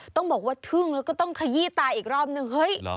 ต้องบอกว่าทึ่งแล้วก็ต้องขยี้ตาอีกรอบนึงเฮ้ย